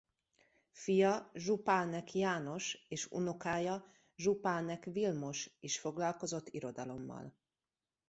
Fia Zsupánek János és unokája Zsupánek Vilmos is foglalkozott irodalommal.